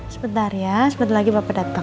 sebentar ya sebentar lagi bapak datang